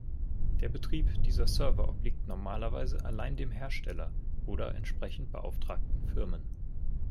Der Betrieb dieser Server obliegt normalerweise allein dem Hersteller oder entsprechend beauftragten Firmen.